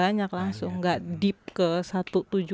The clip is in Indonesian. makanya gue lebih memilih untuk mengorbankan diri gue jam tidur gue gitu